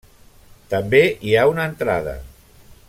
També hi ha una entrada.